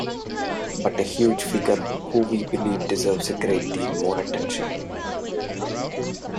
But a huge figure who we believe deserves a great deal more attention.